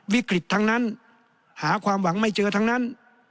วิกฤตทั้งนั้นหาความหวังไม่เจอทั้งนั้น